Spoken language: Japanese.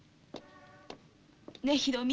ねえひろみ。